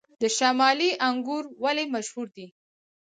د شمالي انګور ولې مشهور دي؟